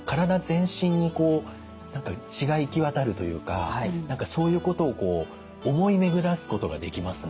全身にこう血が行き渡るというか何かそういうことをこう思い巡らすことができますね。